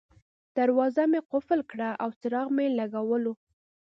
دروازه مې قلف کړه او څراغ مې ولګاوه.